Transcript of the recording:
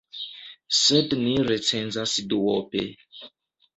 Sed ni recenzas duope.